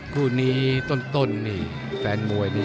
คู่นี้ต้นนี่แฟนมวยนี่